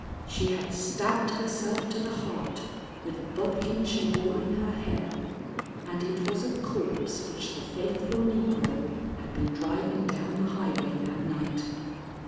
She had stabbed herself to the heart with a bodkin she wore in her hair, and it was a corpse which the faithful negro had been driving down the highway that night."